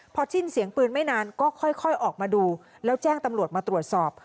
พอสิ้นเสียงปืนไม่นานก็ค่อยออกมาดูแล้วแจ้งตำรวจมาตรวจสอบ